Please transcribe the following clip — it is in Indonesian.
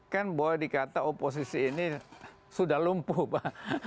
kan boleh dikata oposisi ini sudah lumpuh pak